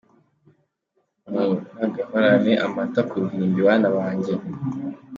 Muragahorane amata ku ruhimbi bana bajye.